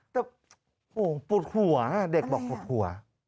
แต่โอ้โฮปลูกหัวด็กบอกปลูกหัว